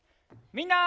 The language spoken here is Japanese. みんな！